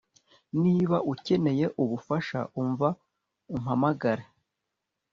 Niba ukeneye ubufasha umva umpamagare